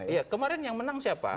iya kemarin yang menang siapa